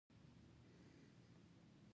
که سړی ځان اصلاح کړي، نو ټولنه به بدله شي.